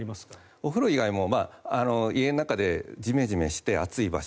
お風呂以外も家の中でじめじめして暑い場所